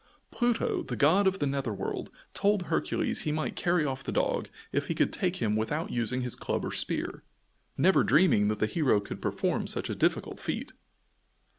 Pluto, the god of the nether world, told Hercules he might carry off the dog if he could take him without using club or spear never dreaming that the hero could perform such a difficult feat.